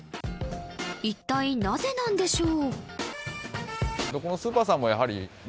一体なぜなんでしょう？